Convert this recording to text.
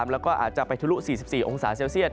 แล้วก็อาจจะไปทะลุ๔๔องศาเซลเซียต